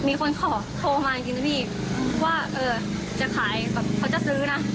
มีคนขอโทรมาจริงนะพี่ว่าเออจะขายแบบเขาจะซื้อนะ